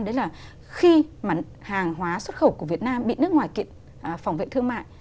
đấy là khi mà hàng hóa xuất khẩu của việt nam bị nước ngoài phòng vệ thương mại